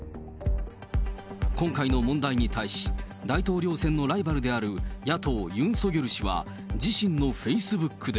今回の問題に対し、大統領選のライバルである野党、ユン・ソギョル氏は、自身のフェイスブックで。